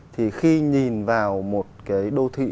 thì khi nhìn vào một cái đô thị